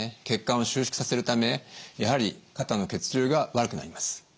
血管を収縮させるためやはり肩の血流が悪くなります。